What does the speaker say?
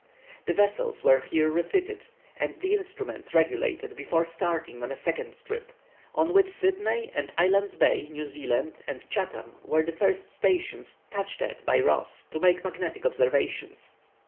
The vessels were here refitted, and the instruments regulated before starting on a second trip, on which Sydney and Island's Bay, New Zealand, and Chatham, were the first stations touched at by Ross to make magnetic observations.